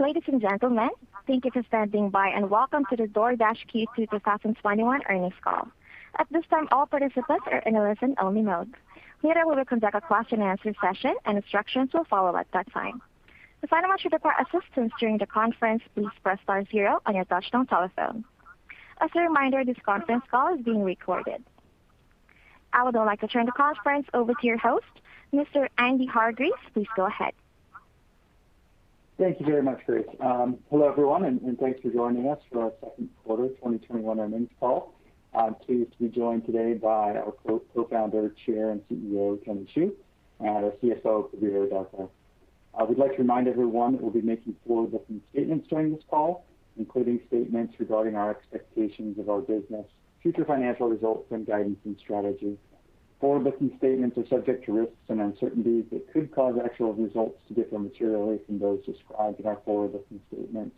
Ladies and gentlemen, thank you for standing by. Welcome to the DoorDash Q2 2021 Earnings Call. At this time, all participants are in a listen-only mode. Later, we will conduct a question and answer session. Instructions will follow at that time. If anyone should require assistance during the conference, please press star zero on your touchtone telephone. As a reminder, this conference call is being recorded. I would now like to turn the conference over to your host, Mr. Andy Hargreaves. Please go ahead. Thank you very much, Grace. Hello, everyone, and thanks for joining us for our Second Quarter 2021 Earnings Call. I'm pleased to be joined today by our co-founder, chair, and CEO, Tony Xu, and our CFO, Prabir Adarkar. I would like to remind everyone that we'll be making forward-looking statements during this call, including statements regarding our expectations of our business, future financial results, and guidance and strategy. Forward-looking statements are subject to risks and uncertainties that could cause actual results to differ materially from those described in our forward-looking statements,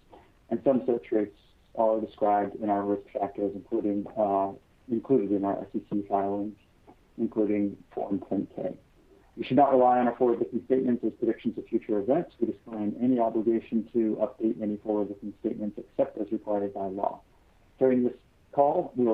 and some such risks are described in our risk factors included in our SEC filings, including Form 10-K. You should not rely on our forward-looking statements as predictions of future events. We disclaim any obligation to update any forward-looking statements except as required by law. During this call, we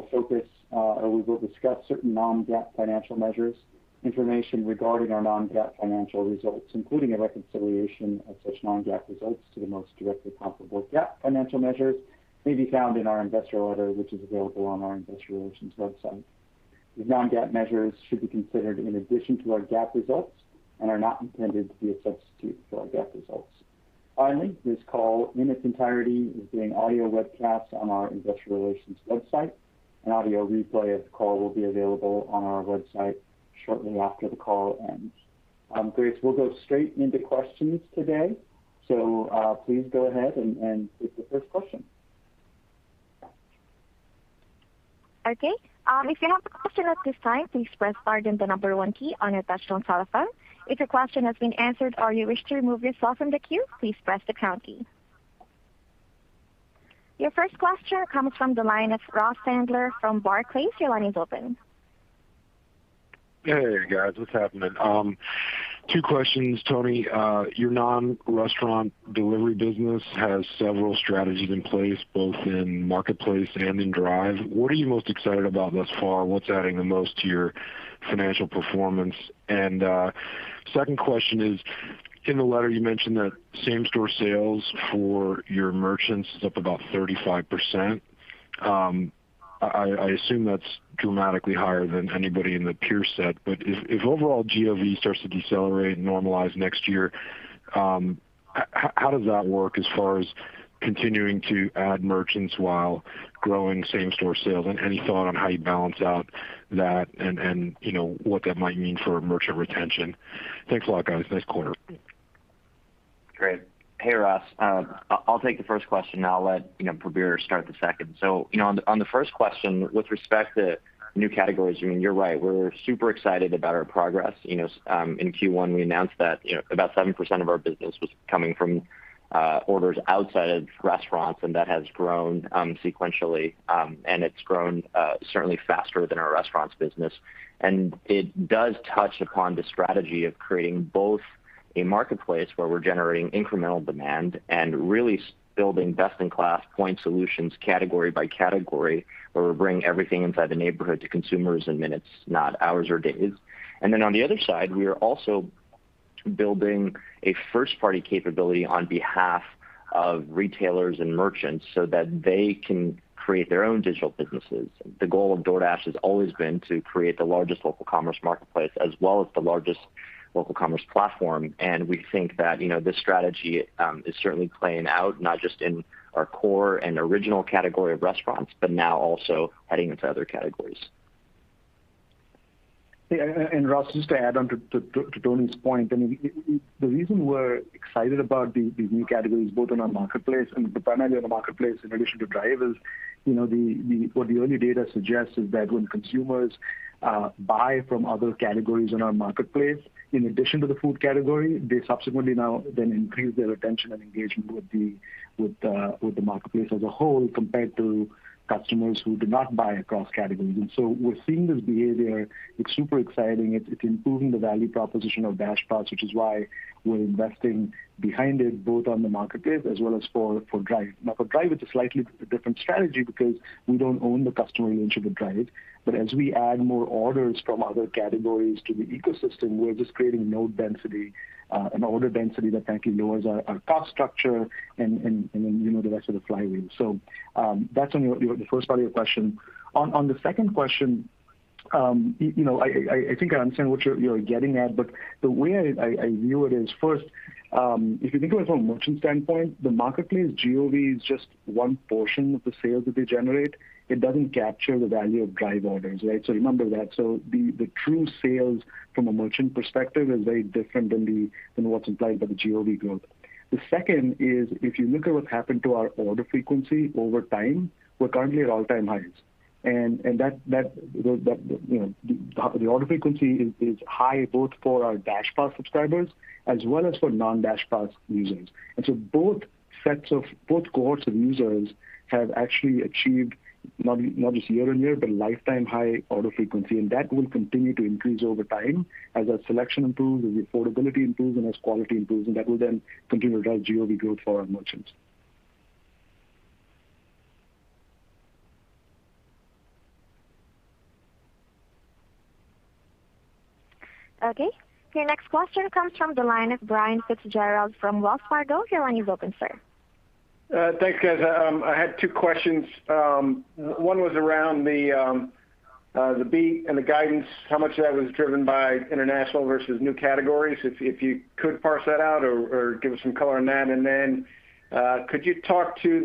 will discuss certain non-GAAP financial measures. Information regarding our non-GAAP financial results, including a reconciliation of such non-GAAP results to the most directly comparable GAAP financial measures, may be found in our investor letter, which is available on our investor relations website. These non-GAAP measures should be considered in addition to our GAAP results and are not intended to be a substitute for our GAAP results. Finally, this call in its entirety is being audio webcast on our investor relations website. An audio replay of the call will be available on our website shortly after the call ends. Grace, we'll go straight into questions today. Please go ahead and take the first question. Your first question comes from the line of Ross Sandler from Barclays. Your line is open. Hey, guys. What's happening? Two questions, Tony. Your non-restaurant delivery business has several strategies in place, both in marketplace and in Drive. What are you most excited about thus far? What's adding the most to your financial performance? Second question is, in the letter, you mentioned that same-store sales for your merchants is up about 35%. I assume that's dramatically higher than anybody in the peer set, but if overall GOV starts to decelerate and normalize next year, how does that work as far as continuing to add merchants while growing same-store sales? Any thought on how you balance out that and what that might mean for merchant retention? Thanks a lot, guys. Nice quarter. Great. Hey, Ross. I'll take the first question, then I'll let Prabir start the second. On the first question, with respect to new categories, you're right. We're super excited about our progress. In Q1, we announced that about 7% of our business was coming from orders outside of restaurants, and that has grown sequentially, and it's grown certainly faster than our restaurants business. It does touch upon the strategy of creating both a marketplace where we're generating incremental demand and really building best-in-class point solutions category by category, where we're bringing everything inside the neighborhood to consumers in minutes, not hours or days. On the other side, we are also building a first-party capability on behalf of retailers and merchants so that they can create their own digital businesses. The goal of DoorDash has always been to create the largest local commerce marketplace, as well as the largest local commerce platform, and we think that this strategy is certainly playing out, not just in our core and original category of restaurants, but now also heading into other categories. Ross, just to add on to Tony's point, the reason we're excited about these new categories, both on our marketplace and primarily on the marketplace in addition to Drive, is what the early data suggests is that when consumers buy from other categories in our marketplace, in addition to the food category, they subsequently now then increase their retention and engagement with the marketplace as a whole, compared to customers who do not buy across categories. We're seeing this behavior. It's super exciting. It's improving the value proposition of DashPass, which is why we're investing behind it, both on the marketplace as well as for Drive. For Drive, it's a slightly different strategy because we don't own the customer relationship with Drive. As we add more orders from other categories to the ecosystem, we're just creating node density, an order density that actually lowers our cost structure and then the rest of the flywheel. That's on the first part of your question. On the second question, I think I understand what you're getting at, but the way I view it is, first, if you think about it from a merchant standpoint, the marketplace GOV is just one portion of the sales that they generate. It doesn't capture the value of Drive orders, right? Remember that. The true sales from a merchant perspective is very different than what's implied by the GOV growth. The second is, if you look at what's happened to our order frequency over time, we're currently at all-time highs. The order frequency is high both for our DashPass subscribers as well as for non-DashPass users. Both cohorts of users have actually achieved not just year-over-year, but lifetime high order frequency. That will continue to increase over time as our selection improves, as affordability improves, and as quality improves. That will then continue to drive GOV growth for our merchants. Okay. Your next question comes from the line of Brian FitzGerald from Wells Fargo. Your line is open, sir. Thanks, guys. I had two questions. One was around the beat and the guidance, how much of that was driven by international versus new categories, if you could parse that out or give us some color on that. Could you talk to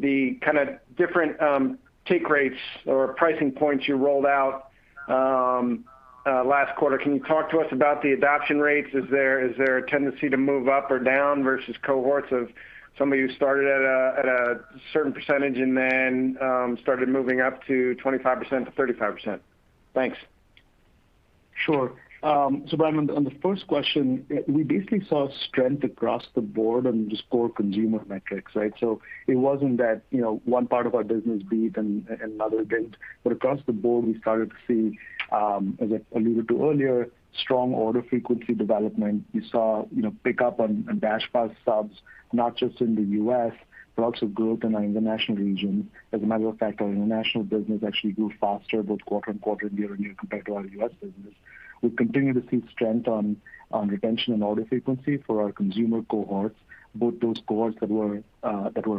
the kind of different take rates or pricing points you rolled out last quarter? Can you talk to us about the adoption rates? Is there a tendency to move up or down versus cohorts of somebody who started at a certain percentage and then started moving up to 25%-35%? Thanks. Sure. Brian, on the first question, we basically saw strength across the board on just core consumer metrics, right? It wasn't that one part of our business beat and another didn't, but across the board, we started to see, as I alluded to earlier, strong order frequency development. We saw pickup on DashPass subs, not just in the U.S., but also growth in our international regions. As a matter of fact, our international business actually grew faster both quarter-over-quarter and year-over-year compared to our U.S. business. We continue to see strength on retention and order frequency for our consumer cohorts, both those cohorts that were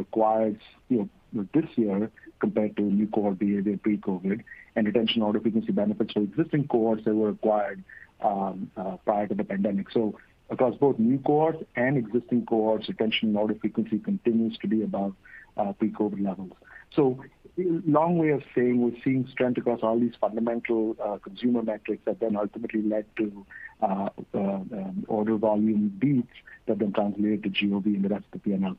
acquired this year compared to new cohorts behaved pre-COVID, and retention order frequency benefits for existing cohorts that were acquired prior to the pandemic. Across both new cohorts and existing cohorts, retention and order frequency continues to be above pre-COVID levels. Long way of saying we're seeing strength across all these fundamental consumer metrics that then ultimately led to order volume beats that then translated to GOV and the rest of the P&L.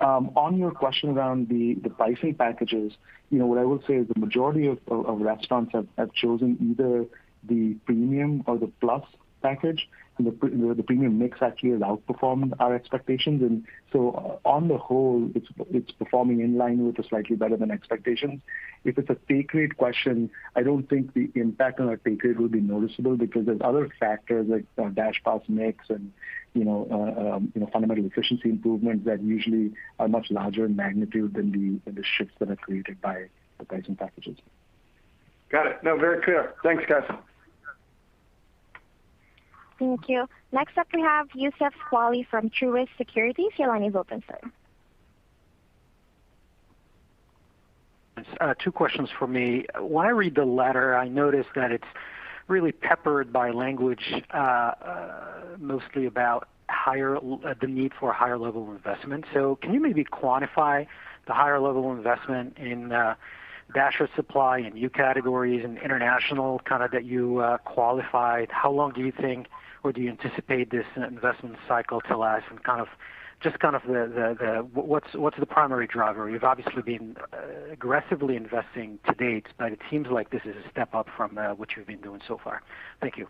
On your question around the pricing packages, what I will say is the majority of restaurants have chosen either the premium or the Plus package, and the premium mix actually has outperformed our expectations. On the whole, it's performing in line with or slightly better than expectations. If it's a take rate question, I don't think the impact on our take rate will be noticeable because there's other factors like DashPass mix and fundamental efficiency improvements that usually are much larger in magnitude than the shifts that are created by the pricing packages. Got it. No, very clear. Thanks, guys. Thank you. Next up we have Youssef Squali from Truist Securities. Your line is open, sir. Thanks. Two questions for me. When I read the letter, I noticed that it's really peppered by language, mostly about the need for higher level investment. Can you maybe quantify the higher level investment in Dasher supply, in new categories, in international, kind of that you qualified? How long do you think, or do you anticipate this investment cycle to last and just kind of what's the primary driver? You've obviously been aggressively investing to date, but it seems like this is a step up from what you've been doing so far. Thank you.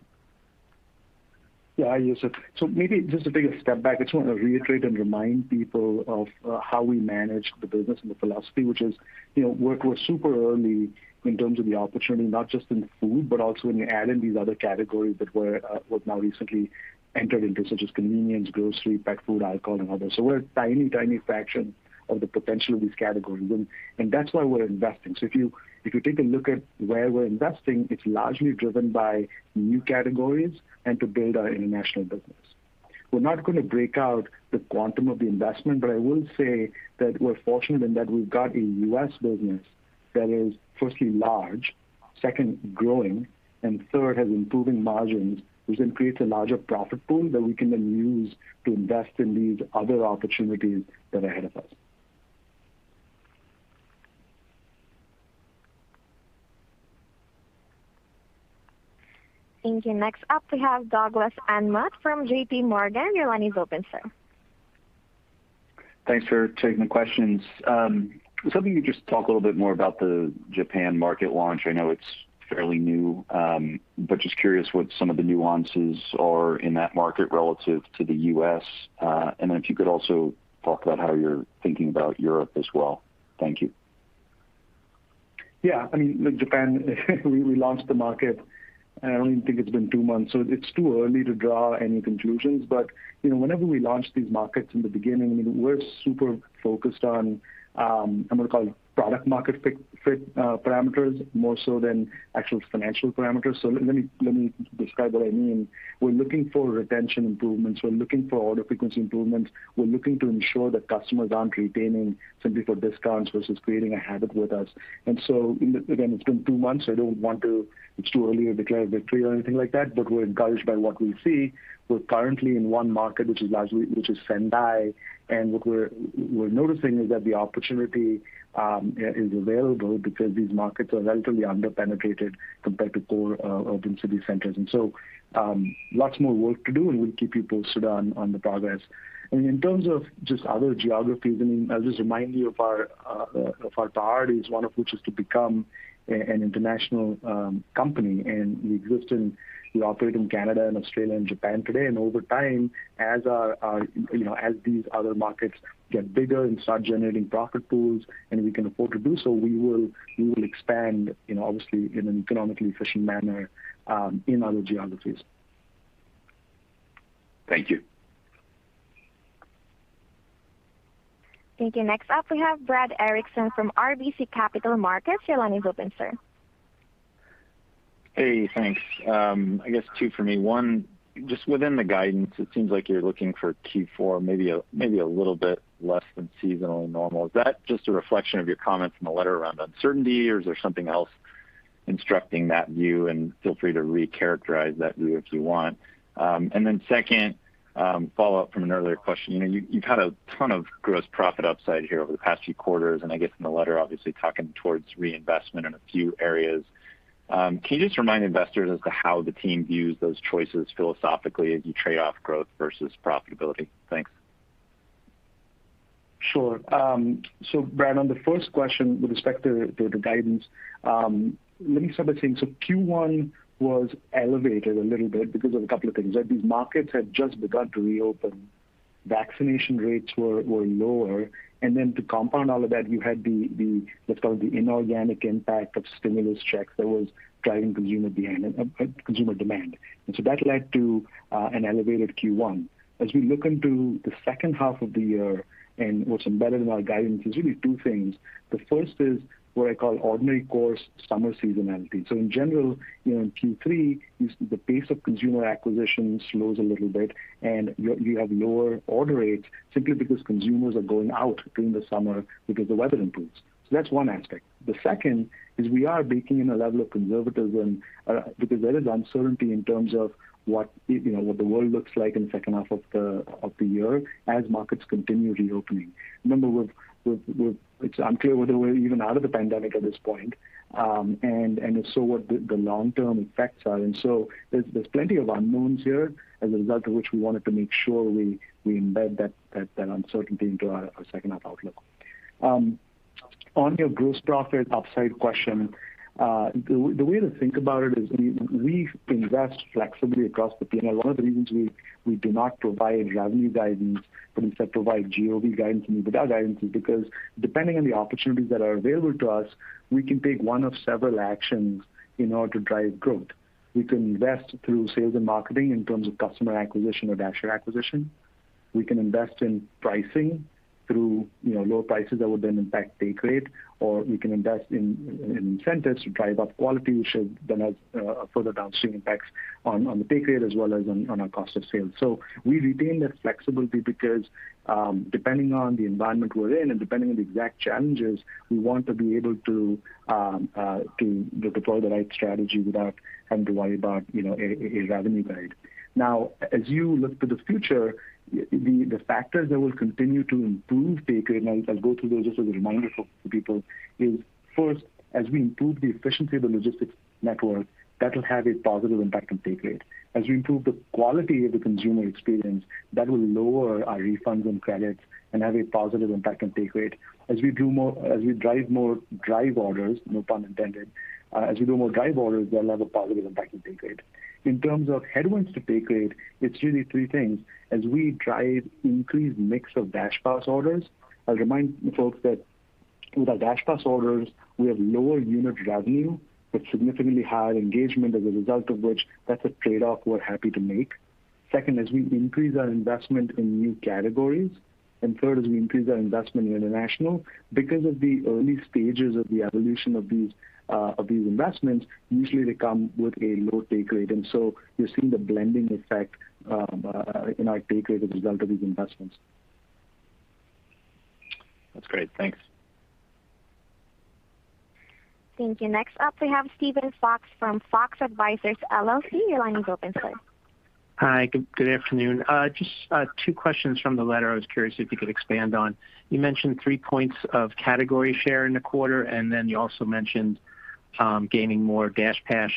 Hi, Youssef. Maybe just to take a step back, I just want to reiterate and remind people of how we manage the business and the philosophy, which is we're super early in terms of the opportunity, not just in food, but also when you add in these other categories that we're now recently entered into, such as convenience, grocery, pet food, alcohol and others. We're a tiny fraction of the potential of these categories, and that's why we're investing. If you take a look at where we're investing, it's largely driven by new categories and to build our international business. We're not going to break out the quantum of the investment. I will say that we're fortunate in that we've got a U.S. business that is firstly large, second growing, and third has improving margins, which then creates a larger profit pool that we can then use to invest in these other opportunities that are ahead of us. Thank you. Next up, we have Douglas Anmuth from JPMorgan. Your line is open, sir. Thanks for taking the questions. Was hoping you could just talk a little bit more about the Japan market launch. I know it's fairly new. Just curious what some of the nuances are in that market relative to the U.S. If you could also talk about how you're thinking about Europe as well. Thank you. Yeah. I mean, the Japan, we launched the market. I don't even think it's been two months. It's too early to draw any conclusions. Whenever we launch these markets in the beginning, I mean, we're super focused on, I'm going to call it product market fit parameters more so than actual financial parameters. Let me describe what I mean. We're looking for retention improvements. We're looking for order frequency improvements. We're looking to ensure that customers aren't retaining simply for discounts versus creating a habit with us. Again, it's been two months. It's too early to declare victory or anything like that, but we're encouraged by what we see. We're currently in one market, which is Sendai, and what we're noticing is that the opportunity is available because these markets are relatively under-penetrated compared to core open city centers. Lots more work to do, and we'll keep people stood on the progress. I mean, in terms of just other geographies, I mean, I'll just remind you of our priorities, one of which is to become an international company. We operate in Canada and Australia and Japan today. Over time, as these other markets get bigger and start generating profit pools and we can afford to do so, we will expand obviously in an economically efficient manner in other geographies. Thank you. Thank you. Next up we have Brad Erickson from RBC Capital Markets. Your line is open, sir. Thanks. I guess two for me. One, just within the guidance, it seems like you're looking for Q4 maybe a little bit less than seasonally normal. Is that just a reflection of your comments in the letter around uncertainty, or is there something else instructing that view? Feel free to recharacterize that view if you want. Then second, follow-up from an earlier question. You've had a ton of gross profit upside here over the past few quarters, and I guess in the letter, obviously talking towards reinvestment in a few areas. Can you just remind investors as to how the team views those choices philosophically as you trade off growth versus profitability? Thanks. Sure. Brad, on the first question with respect to the guidance, let me start by saying, Q1 was elevated a little bit because of a couple of things. These markets had just begun to reopen. Vaccination rates were lower, to compound all of that, you had let's call it the inorganic impact of stimulus checks that was driving consumer demand. That led to an elevated Q1. As we look into the second half of the year and what's embedded in our guidance, there's really two things. The first is what I call ordinary course summer seasonality. In general, in Q3, the pace of consumer acquisition slows a little bit, and you have lower order rates simply because consumers are going out during the summer because the weather improves. That's one aspect. The second is we are baking in a level of conservatism because there is uncertainty in terms of what the world looks like in the second half of the year as markets continue reopening. It's unclear whether we're even out of the pandemic at this point, and if so, what the long-term effects are. There's plenty of unknowns here, as a result of which we wanted to make sure we embed that uncertainty into our second half outlook. On your gross profit upside question, the way to think about it is we invest flexibly across the P&L. One of the reasons we do not provide revenue guidance, but instead provide GOV guidance and EBITDA guidance is because depending on the opportunities that are available to us, we can pick one of several actions in order to drive growth. We can invest through sales and marketing in terms of customer acquisition or Dasher acquisition. We can invest in pricing through lower prices that would then impact take rate, or we can invest in incentives to drive up quality, which should then have further downstream impacts on the take rate as well as on our cost of sales. We retain that flexibility because, depending on the environment we're in and depending on the exact challenges, we want to be able to deploy the right strategy without having to worry about a revenue guide. Now as you look to the future, the factors that will continue to improve take rate, and I'll go through those just as a reminder for people, is first, as we improve the efficiency of the logistics network, that'll have a positive impact on take rate. As we improve the quality of the consumer experience, that will lower our refunds and credits and have a positive impact on take rate. As we drive more drive orders, no pun intended, as we do more drive orders, they'll have a positive impact on take rate. In terms of headwinds to take rate, it's really three things. As we drive increased mix of DashPass orders, I'll remind folks that with our DashPass orders, we have lower unit revenue but significantly higher engagement as a result of which that's a trade-off we're happy to make. Second, as we increase our investment in new categories, third, as we increase our investment in international. Because of the early stages of the evolution of these investments, usually they come with a low take rate, you're seeing the blending effect in our take rate as a result of these investments. That's great. Thanks. Thank you. Next up, we have Steven Fox from Fox Advisors LLC. Your line is open, sir. Hi, good afternoon. Just two questions from the letter I was curious if you could expand on. You mentioned three points of category share in the quarter, and then you also mentioned gaining more DashPass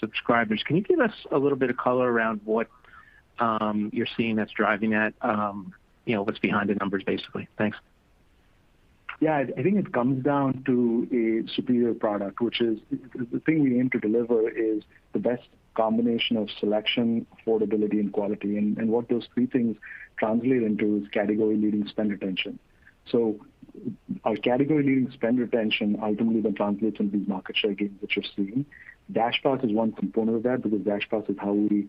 subscribers. Can you give us a little bit of color around what you're seeing that's driving that? What's behind the numbers, basically. Thanks. Yeah. I think it comes down to a superior product, which is the thing we aim to deliver is the best combination of selection, affordability, and quality. What those three things translate into is category-leading spend retention. Our category-leading spend retention ultimately then translates into these market share gains that you're seeing. DashPass is one component of that because DashPass is how we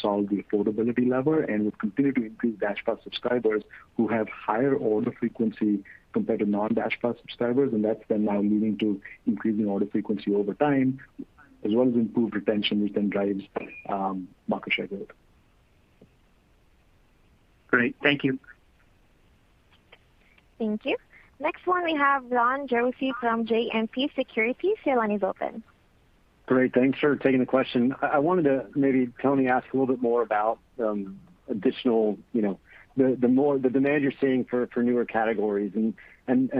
solve the affordability lever, and we've continued to increase DashPass subscribers who have higher order frequency compared to non-DashPass subscribers. That's then now leading to increasing order frequency over time, as well as improved retention, which then drives market share growth. Great. Thank you. Thank you. Next one we have Ron Josey from JMP Securities. Your line is open. Great. Thanks for taking the question. I wanted to maybe, Tony, ask a little bit more about the demand you're seeing for newer categories and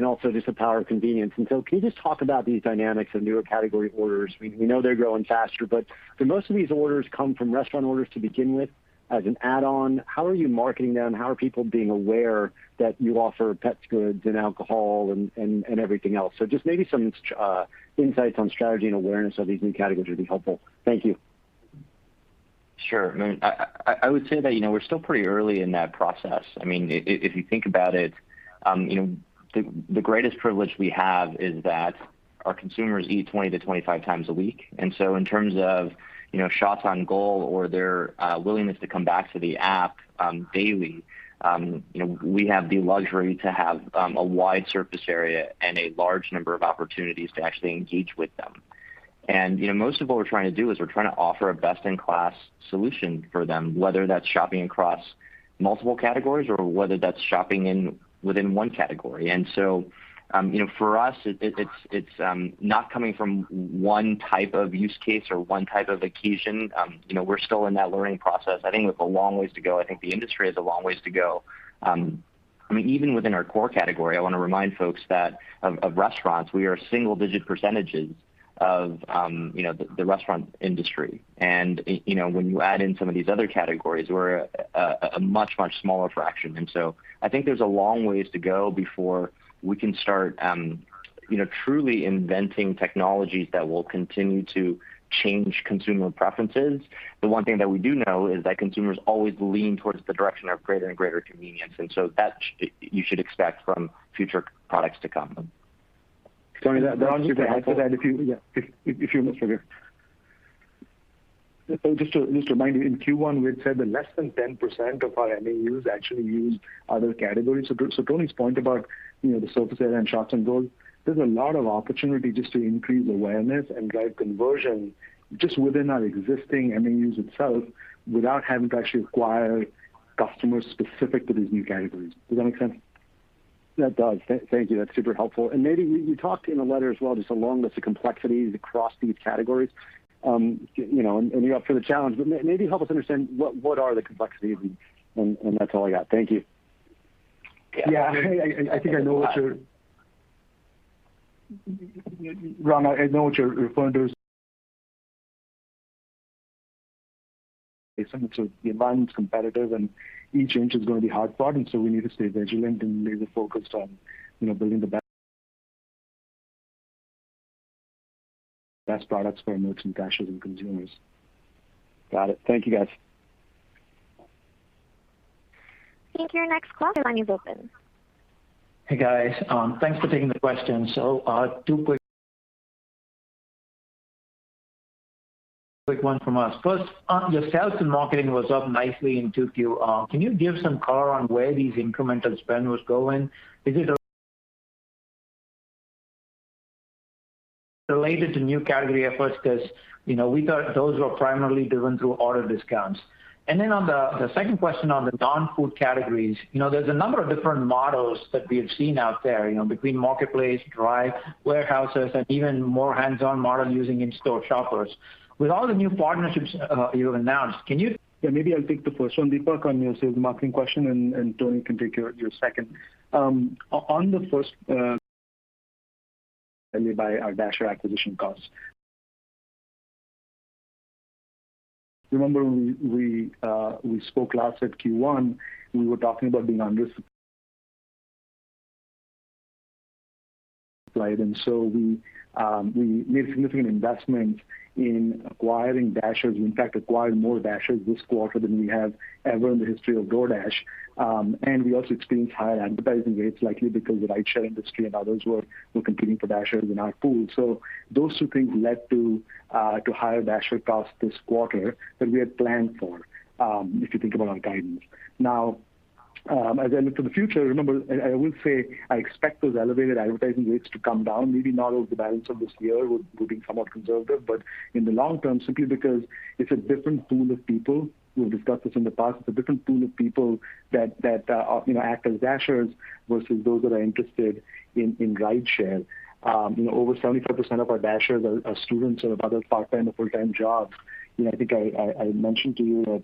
also just the power of convenience. Can you just talk about these dynamics of newer category orders? We know they're growing faster, do most of these orders come from restaurant orders to begin with as an add-on? How are you marketing them? How are people being aware that you offer pet goods and alcohol and everything else? Just maybe some insights on strategy and awareness of these new categories would be helpful. Thank you. Sure. I would say that we're still pretty early in that process. If you think about it, the greatest privilege we have is that our consumers eat 20 to 25x a week, so in terms of shots on goal or their willingness to come back to the app daily, we have the luxury to have a wide surface area and a large number of opportunities to actually engage with them. Most of what we're trying to do is we're trying to offer a best-in-class solution for them, whether that's shopping across multiple categories or whether that's shopping within one category. For us, it's not coming from one type of use case or one type of occasion. We're still in that learning process. I think we have a long ways to go. I think the industry has a long ways to go. Even within our core category, I want to remind folks that of restaurants, we are single-digit percentages of the restaurant industry. When you add in some of these other categories, we're a much, much smaller fraction. So I think there's a long ways to go before we can start truly inventing technologies that will continue to change consumer preferences. The one thing that we do know is that consumers always lean towards the direction of greater and greater convenience, and so that you should expect from future products to come. Tony, that should be helpful. Ron, to add to that, if you will. Just to remind you, in Q1, we had said that less than 10% of our MAUs actually use other categories. Tony's point about the surface area and shots on goal, there's a lot of opportunity just to increase awareness and drive conversion just within our existing MAUs itself, without having to actually acquire customers specific to these new categories. Does that make sense? That does. Thank you. That's super helpful. Maybe, you talked in the letter as well, just a long list of complexities across these categories. You're up for the challenge, but maybe help us understand what are the complexities. That's all I got. Thank you. Yeah. Ron, I know what you're referring to. The environment's competitive and each inch is going to be hard-fought, and so we need to stay vigilant and laser-focused on building the best products for our merchants, dashers, and consumers. Got it. Thank you, guys. I think your next call line is open. Hey, guys. Thanks for taking the question. two quick one from us. First, your sales and marketing was up nicely in 2Q. Can you give some color on where these incremental spend was going? Is it related to new category efforts? Because, we thought those were primarily driven through order discounts. On the second question on the non-food categories, there's a number of different models that we have seen out there, between marketplace, dry warehouses, and even more hands-on model using in-store shoppers. With all the new partnerships you have announced, can you. Maybe I'll take the first one, Deepak, on your sales marketing question, and Tony can take your second. On the first, by our Dasher acquisition costs. Remember, we spoke last at Q1, we were talking about being under supplied, and so we made significant investments in acquiring Dashers. We, in fact, acquired more Dashers this quarter than we have ever in the history of DoorDash. We also experienced higher advertising rates, likely because the rideshare industry and others were competing for Dashers in our pool. Those two things led to higher Dasher costs this quarter than we had planned for, if you think about our guidance. Then to the future, remember, I will say I expect those elevated advertising rates to come down, maybe not over the balance of this year, we're being somewhat conservative, but in the long term, simply because it's a different pool of people. We've discussed this in the past. It's a different pool of people that act as Dashers versus those that are interested in rideshare. Over 75% of our Dashers are students or have other part-time or full-time jobs. I think I mentioned to you that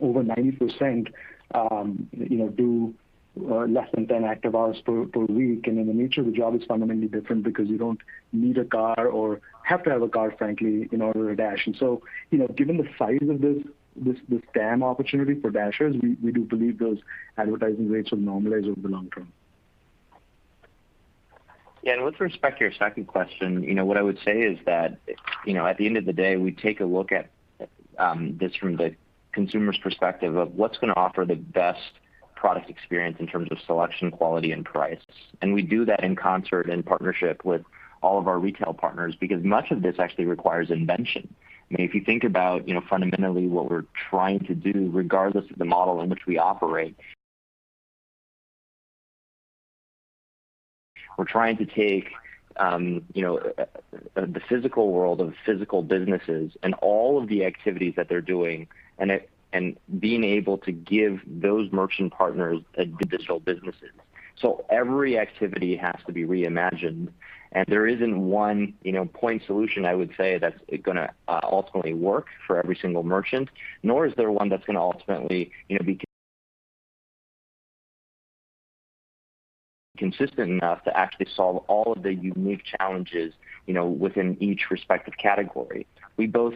over 90% do less than 10 active hours per week, the nature of the job is fundamentally different because you don't need a car or have to have a car, frankly, in order to dash. Given the size of this TAM opportunity for Dashers, we do believe those advertising rates will normalize over the long term. Yeah, with respect to your second question, what I would say is that, at the end of the day, we take a look at this from the consumer's perspective of what's going to offer the best product experience in terms of selection, quality, and price. We do that in concert and partnership with all of our retail partners, because much of this actually requires invention. If you think about fundamentally what we're trying to do, regardless of the model in which we operate, we're trying to take the physical world of physical businesses and all of the activities that they're doing and being able to give those merchant partners digital businesses. Every activity has to be reimagined, and there isn't one point solution, I would say, that's going to ultimately work for every single merchant, nor is there one that's going to ultimately be consistent enough to actually solve all of the unique challenges within each respective category. We both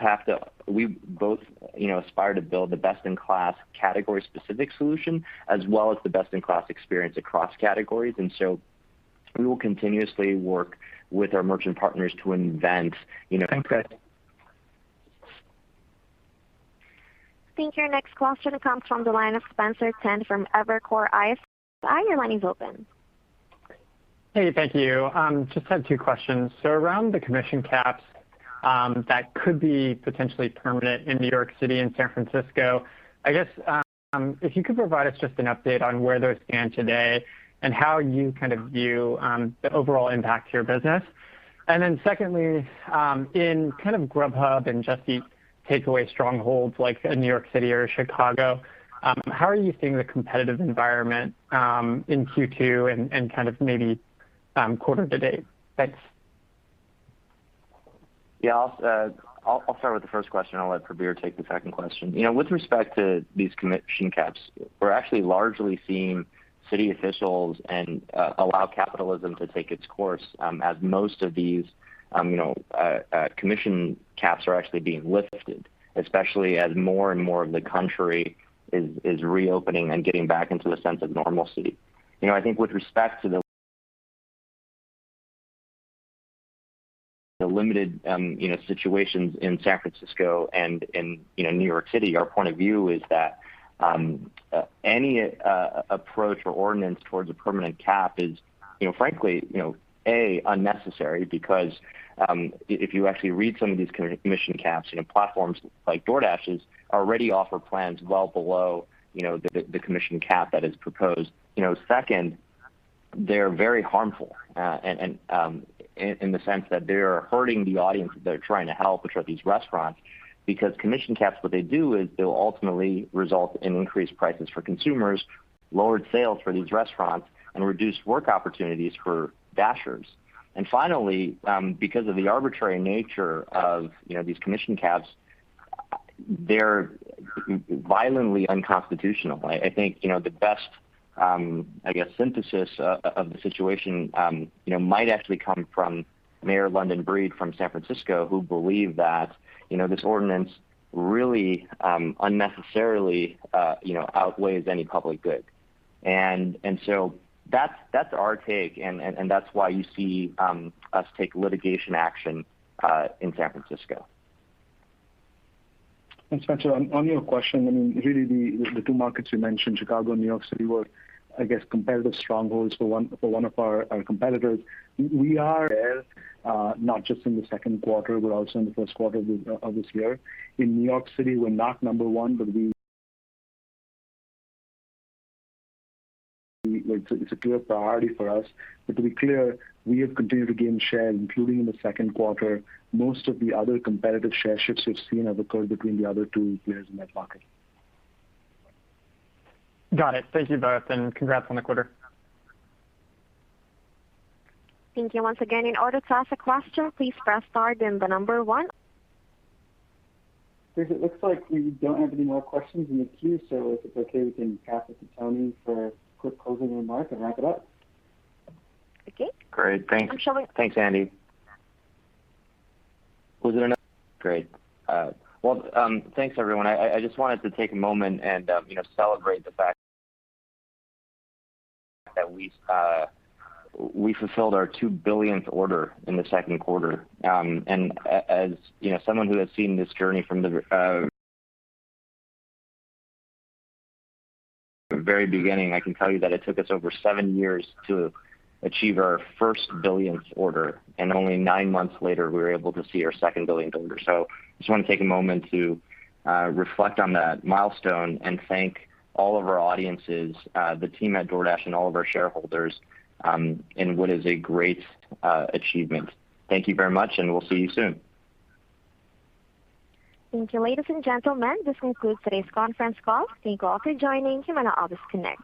aspire to build the best-in-class category-specific solution, as well as the best-in-class experience across categories. We will continuously work with our merchant partners to invent these- Thanks, guys. I think your next question comes from the line of Stephen Kim from Evercore ISI. Your line is open. Hey, thank you. Just had two questions. Around the commission caps that could be potentially permanent in New York City and San Francisco, I guess, if you could provide us just an update on where those stand today and how you view the overall impact to your business. Secondly, in Grubhub and Just Eat Takeaway strongholds like New York City or Chicago, how are you seeing the competitive environment in Q2 and maybe quarter to date? Thanks. Yeah. I'll start with the first question, and I'll let Prabir take the second question. With respect to these commission caps, we're actually largely seeing city officials allow capitalism to take its course, as most of these commission caps are actually being lifted, especially as more and more of the country is reopening and getting back into a sense of normalcy. I think with respect to the limited situations in San Francisco and in New York City, our point of view is that any approach or ordinance towards a permanent cap is frankly, A, unnecessary, because if you actually read some of these commission caps, platforms like DoorDash's already offer plans well below the commission cap that is proposed. Second, they're very harmful in the sense that they're hurting the audience that they're trying to help, which are these restaurants. Commission caps, what they do is they'll ultimately result in increased prices for consumers, lowered sales for these restaurants, and reduced work opportunities for Dashers. Finally, because of the arbitrary nature of these commission caps, they're violently unconstitutional. I think the best synthesis of the situation might actually come from Mayor London Breed from San Francisco, who believed that this ordinance really unnecessarily outweighs any public good. So that's our take, and that's why you see us take litigation action in San Francisco. Stephen, on your question, really the two markets you mentioned, Chicago and New York City, were comparative strongholds for one of our competitors. We are there not just in the second quarter, but also in the first quarter of this year. In New York City, we're not number one, but it's a clear priority for us. To be clear, we have continued to gain share, including in the second quarter. Most of the other competitive share shifts we've seen have occurred between the other two players in that market. Got it. Thank you both, and congrats on the quarter. Thank you once again. In order to ask a question, please press star then one. Grace, it looks like we don't have any more questions in the queue, so if it's okay, we can pass it to Tony for a quick closing remark and wrap it up. Okay. Thanks, Andy. Was there another? Thanks everyone. I just wanted to take a moment and celebrate the fact that we fulfilled our 2 billionth order in the second quarter. As someone who has seen this journey from the very beginning, I can tell you that it took us over seven years to achieve our 1 billionth order, and only nine months later, we were able to see our 2 billionth order. Just want to take a moment to reflect on that milestone and thank all of our audiences, the team at DoorDash, and all of our shareholders in what is a great achievement. Thank you very much, and we'll see you soon. Thank you. Ladies and gentlemen, this concludes today's conference call. Thank you all for joining. You may now disconnect.